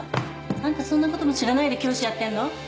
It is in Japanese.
あんたそんなことも知らないで教師やってんの？